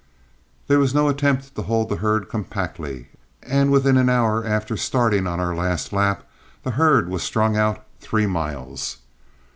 There was no attempt to hold the herd compactly, and within an hour after starting on our last lap the herd was strung out three miles.